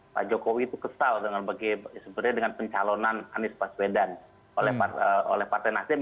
pak jokowi itu kesal sebenarnya dengan pencalonan anies baswedan oleh partai nasdem